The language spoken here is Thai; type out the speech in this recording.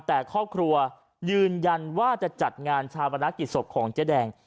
แต่ครอบครัวยืนยันว่าจะจัดงานชาวประนักกิจศพของเจ๊แดง